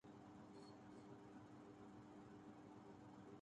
مختلف شخصیات کا کرکٹ لیجنڈ ڈین جونز کو خراج تحسین